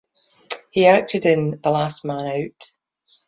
He acted in "The Last Man Out".